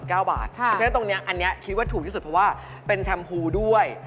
เพราะฉะนั้นตรงนี้อันนี้คิดว่าถูกที่สุดเพราะว่าเป็นแชมพูด้วย